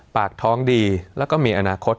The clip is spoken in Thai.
ปากท้องดีแล้วก็มีอนาคต